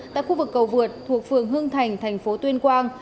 tại khu vực cầu vượt thuộc phường hưng thành thành phố tuyên quang